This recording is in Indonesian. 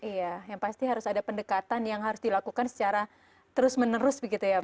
iya yang pasti harus ada pendekatan yang harus dilakukan secara terus menerus begitu ya pak